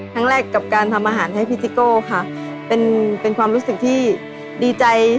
ครั้งแรกกับการทำอาหารให้พี่ซิโก้ค่ะเป็นเป็นความรู้สึกที่ดีใจ